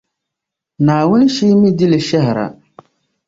Naawuni Shia mi di li shɛhira.